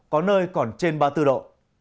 có nơi còn trên ba mươi bốn độ